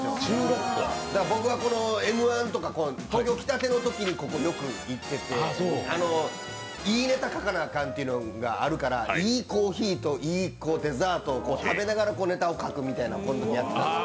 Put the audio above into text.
僕は「Ｍ−１」とか東京に来たてのときに、ここによく行ってて、いいネタ書かなあかんということでいいコーヒーといいデザートを食べながらネタを書くみたいな。